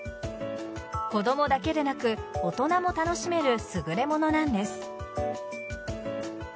子供だけでなく大人も楽しめる優れものなんです。